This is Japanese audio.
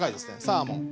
サーモン。